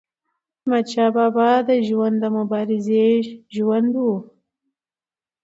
احمدشاه بابا د ژوند د مبارزې ژوند و.